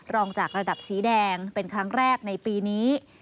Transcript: รองจากระดับสีแดงเป็นครั้งแรกในปีนี้